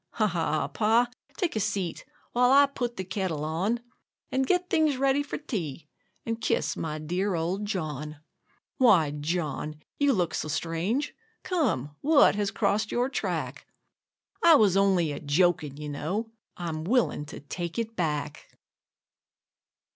Ha! ha! Pa, take a seat, while I put the kettle on, And get things ready for tea, and kiss my dear old John. Why, John, you look so strange! Come, what has crossed your track? I was only a joking, you know; I'm willing to take it back.